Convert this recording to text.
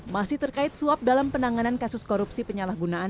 masih terkait suap dalam penanganan kasus korupsi penyalahgunaan